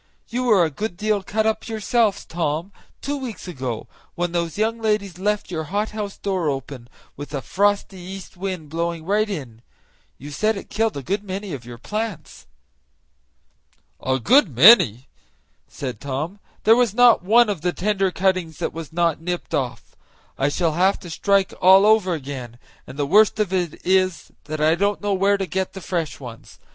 You were a good deal cut up yourself, Tom, two weeks ago, when those young ladies left your hothouse door open, with a frosty east wind blowing right in; you said it killed a good many of your plants." "A good many!" said Tom; "there was not one of the tender cuttings that was not nipped off. I shall have to strike all over again, and the worst of it is that I don't know where to go to get fresh ones.